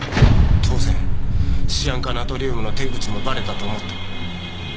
当然シアン化ナトリウムの手口もバレたと思った。